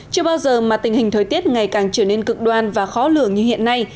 chưa bao giờ mà tình hình thời tiết ngày càng trở nên cực đoan và khó lường như hiện nay